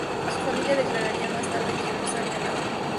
Su familia declararía más tarde que no sabían nada.